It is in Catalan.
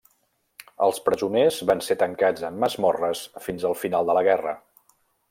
Els presoners van ser tancats en masmorres fins al final de la guerra.